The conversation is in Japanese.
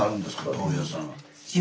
豆腐屋さん。